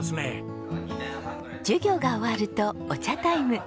授業が終わるとお茶タイム。